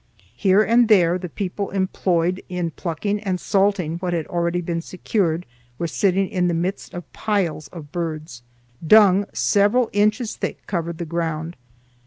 Here and there the people employed in plucking and salting what had already been secured were sitting in the midst of piles of birds. Dung several inches thick covered the ground.